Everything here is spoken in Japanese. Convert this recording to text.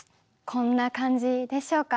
こんな感じでしょうか？